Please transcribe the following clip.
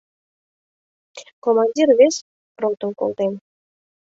Командир вес ротым колтен.